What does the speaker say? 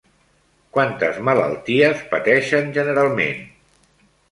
Quantes malalties pateixen generalment?